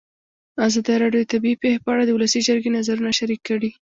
ازادي راډیو د طبیعي پېښې په اړه د ولسي جرګې نظرونه شریک کړي.